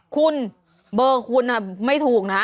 คุณเบอร์คุณไม่ถูกนะ